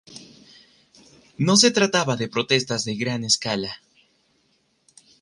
No se trataba de protestas de gran escala.